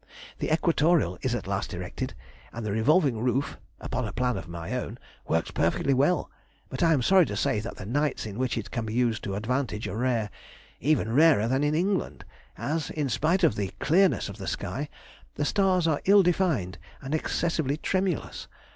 The equatorial is at last erected, and the revolving roof (upon a plan of my own) works perfectly well, but I am sorry to say that the nights in which it can be used to advantage are rare, even rarer than in England, as, in spite of the clearness of the sky, the stars are ill defined and excessively tremulous.